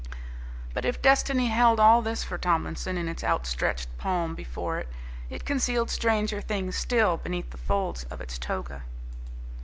But if Destiny held all this for Tomlinson in its outstretched palm before it, it concealed stranger things still beneath the folds of its toga.